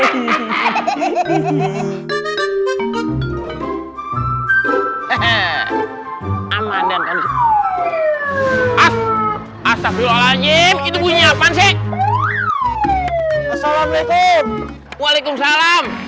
hehehe aman dan kau di as sabdulillah al ayyim itu bunyi apaan sih assalamualaikum waalaikumsalam